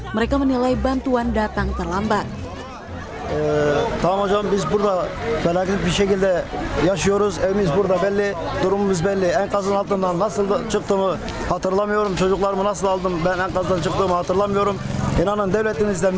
mereka menilai bantuan datang terlambat